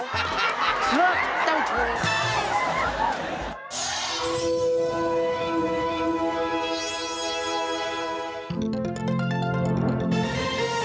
เลิกเจ้าชู้